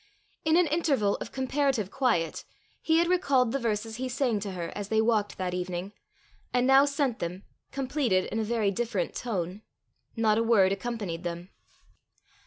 In an interval of comparative quiet, he had recalled the verses he sang to her as they walked that evening, and now sent them completed in a very different tone. Not a word accompanied them.